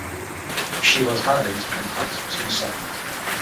She was married and had two sons.